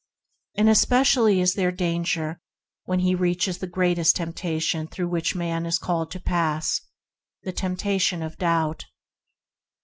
Especially is there this danger when he reaches the greatest temptation through which man is called to pass — the temptation of doubt.